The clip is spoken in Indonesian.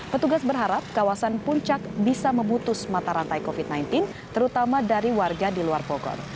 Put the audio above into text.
petugas berharap kawasan puncak bisa memutus mata rantai covid sembilan belas terutama dari warga di luar bogor